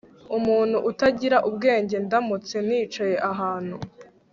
umuntu utagira ubwenge Ndamutse nicaye ahantu